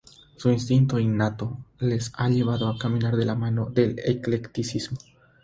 Su instinto innato les ha llevado a caminar de la mano del eclecticismo.